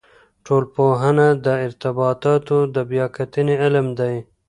ټولنپوهنه د ارتباطاتو د بیا کتنې علم دی.